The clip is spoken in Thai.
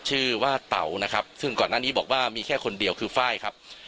ว่าเต๋านะครับซึ่งก่อนหน้านี้บอกว่ามีแค่คนเดียวคือไฟล์ครับ